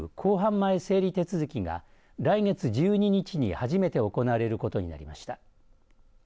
前整理手続きが来月１２日に初めて行われることになりました。